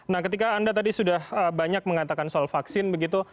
nah ketika anda tadi sudah banyak mengatakan soal vaksin begitu